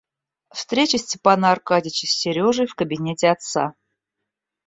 Встреча Степана Аркадьича с Сережей в кабинете отца.